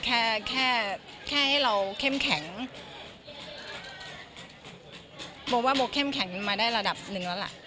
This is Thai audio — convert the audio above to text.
แค่ให้เราเข้มแข็งบอกว่าเข้มแข็งมาได้ระดับหนึ่งแล้วล่ะ